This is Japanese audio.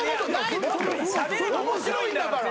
面白いんだから。